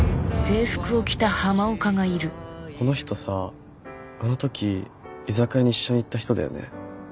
この人さぁあの時居酒屋に一緒に行った人だよね？